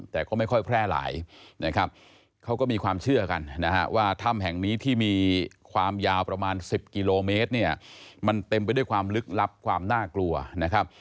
แต่ก็ไม่ค่อยแพร่หลายนะครับ